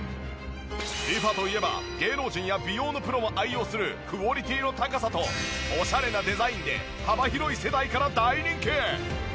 リファといえば芸能人や美容のプロも愛用するクオリティーの高さとオシャレなデザインで幅広い世代から大人気！